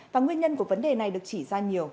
và nguyên nhân của vấn đề này được chỉ ra nhiều